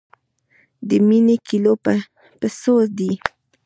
د مڼې کيلو په څو دی؟